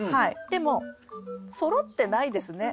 でもそろってないですね。